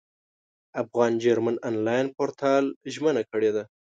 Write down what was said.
افغان جرمن انلاین پورتال ژمنه کړې ده.